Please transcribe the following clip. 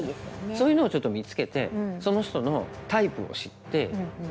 そういうのをちょっと見つけてその人のタイプを知って。